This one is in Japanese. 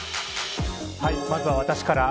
まずは私から。